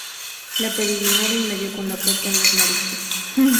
Le pedí dinero y me dio con la puerta en las narices